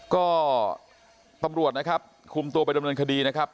ก็ตำรวจนะครับคุมตัวไปดำเนินคดีนะครับ